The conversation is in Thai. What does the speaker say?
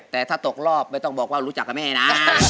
แต่ถ้าตกรอบไม่ต้องบอกว่ารู้จักกับแม่นะ